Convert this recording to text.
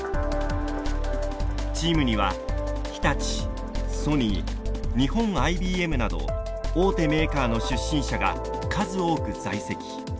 チームには日立ソニー日本ＩＢＭなど大手メーカーの出身者が数多く在籍。